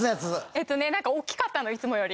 えっとねなんか大きかったのいつもより。